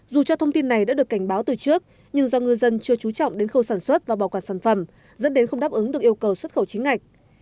dù cho thông tin này đã được cảnh báo từ trước nhưng do ngư dân chưa trú trọng đến khâu sản xuất và bảo quản sản phẩm dẫn đến không đáp ứng được yêu cầu xuất khẩu chính ngạch